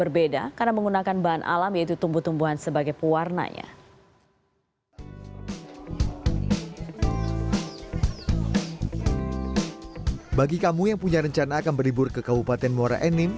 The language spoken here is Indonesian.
bagi kamu yang punya rencana akan berlibur ke kabupaten muara enim